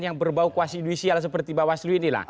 yang berbau kuasidwisial seperti bawaslu ini